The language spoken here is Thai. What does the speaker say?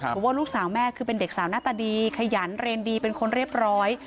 บอกว่าลูกสาวแม่คือเป็นเด็กสาวหน้าตาดีขยันเรียนดีเป็นคนเรียบร้อย